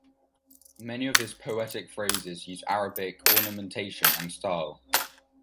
Many of his poetic phrases use Arabic ornamentation and style.